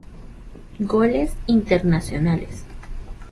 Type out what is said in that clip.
Goles internacionales